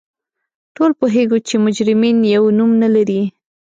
ټول پوهیږو چې مجرمین یو نوم نه لري